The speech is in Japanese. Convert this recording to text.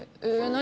何？